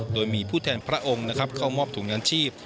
โดยมีผู้แทนพระองค์นะครับเข้ามอบถุงยางชีพ